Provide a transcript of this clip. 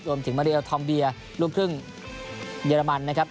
รวมถึงมารีเอลทอมเบียร์ลูกครึ่งเยอรมันนะครับ